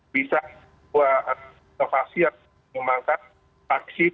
bisa buat inovasi yang mengembangkan vaksin